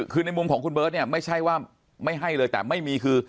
คือในมุมของคุณเบิร์ตเนี่ยไม่ใช่ว่าไม่ให้เลยแต่ไม่มีคือ